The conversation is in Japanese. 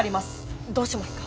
どうしますか？